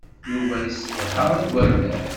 Yuba yessedha igerdan.